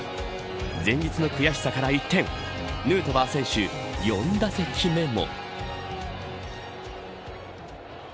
前日の悔しさから一転ヌートバー選手、４打席目も。